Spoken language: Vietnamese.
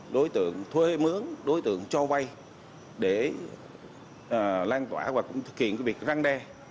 đối tượng thuê mướn đối tượng cho vay để lan tỏa và cũng thực hiện việc răng đe